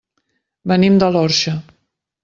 Venim de l'Orxa.